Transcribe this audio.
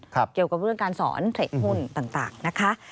เกี่ยวกับเรื่องการสอนเทรดหุ้นต่างนะคะ